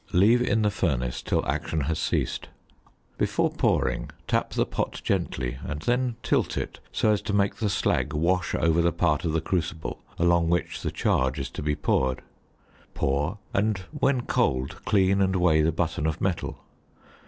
Leave in the furnace till action has ceased. Before pouring, tap the pot gently, and then tilt it so as to make the slag wash over the part of the crucible along which the charge is to be poured. Pour; and, when cold, clean and weigh the button of metal.